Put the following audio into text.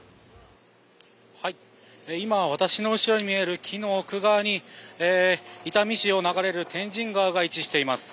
今、私の後ろに見える木の奥側に伊丹市を流れる天神川が位置しています。